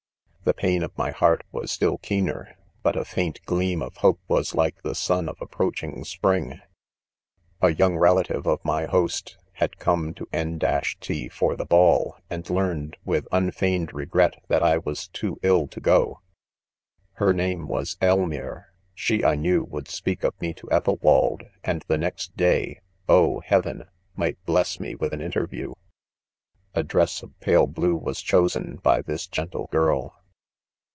The pain of niy heart was still keener ; but a faint gleam of hope' was like the sun of approaching spring. 1 i A young relative of my host, had come to N 1 for the ball.; and learned, with un feigned regret, that I was too ill to go. Her name was Elm ire; she, I knew, ..would speak of* me to Ethelwald, and the next day, oh! heaven !— might bless me with an interview, i A dress of pale blue was chosen by this gentle girl.